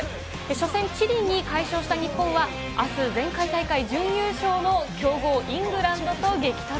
初戦、チリに快勝した日本は、あす、前回大会準優勝の強豪イングランドと激突。